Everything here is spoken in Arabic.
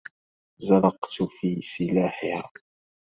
زلقت في سلاحها